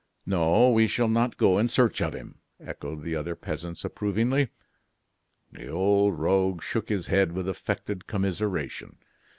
"No! we shall not go in search of him," echoed the other peasants, approvingly. The old rogue shook his head with affected commiseration.